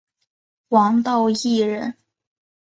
王道义人。